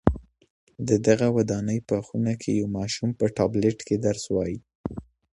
د دغي ودانۍ په خونه کي یو ماشوم په ټابلېټ کي درس لولي.